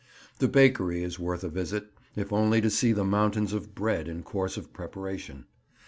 The bakery is worth a visit, if only to see the mountains of bread in course of preparation.